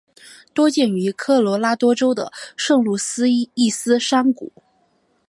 多见于科罗拉多州的圣路易斯山谷。